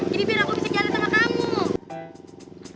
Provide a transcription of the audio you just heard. jadi biar aku bisa jalan sama kamu